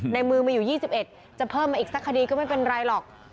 ในมือมีอยู่๒๑จะเพิ่มมาอีกสักคดีก็ไม่เป็นไรหรอก